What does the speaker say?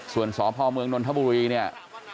ส่วนสพมนทบุรีเนี่ย